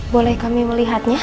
boleh kami melihatnya